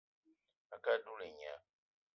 A ke á dula et nya